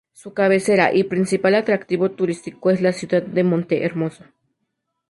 Su cabecera y principal atractivo turístico es la ciudad de Monte Hermoso.